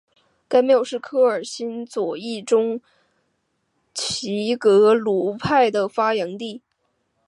该庙是科尔沁左翼中旗格鲁派的发祥地。